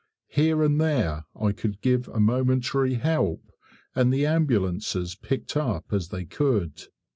Here and there I could give a momentary help, and the ambulances picked up as they could.